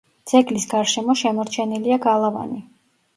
ძეგლის გარშემო შემორჩენილია გალავანი.